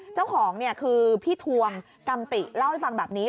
เจ้าของเนี่ยคือพี่ทวงกำติเล่าให้ฟังแบบนี้